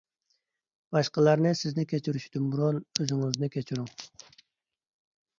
باشقىلارنى سىزنى كەچۈرۈشىدىن بۇرۇن، ئۆزىڭىزنى كەچۈرۈڭ.